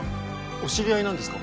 お知り合いなんですか？